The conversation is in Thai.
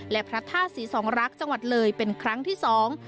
และพระธาตุศรีสองรักษ์จังหวัดเลยเป็นครั้งที่สอง